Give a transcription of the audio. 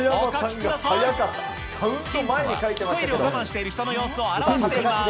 ヒントはトイレを我慢している人の様子を表しています。